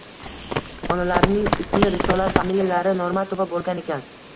Onalarining ismi Risolat, familiyalari Normatova bo‘lgan ekan.